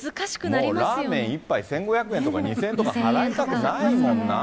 もうラーメン１杯１５００円とか２０００円とか払いたくないもんな。